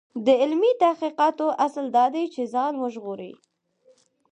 د علمي تحقیقاتو اصل دا دی چې ځان وژغوري.